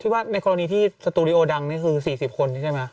ว่าในกรณีที่สตูดิโอดังนี่คือ๔๐คนใช่ไหม